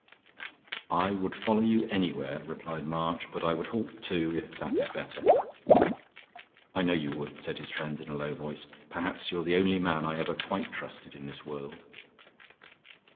"I would follow you anywhere," replied March, "but I would halt, too, if that is better." "I know you would," said his friend in a low voice. "Perhaps you're the only man I ever quite trusted in this world."